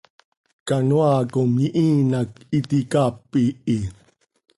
Canoaa com ihiin hac iti caap iihi.